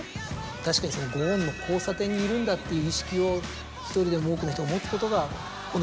確かにそのご恩の交差点にいるんだっていう意識を１人でも多くの人が持つことが。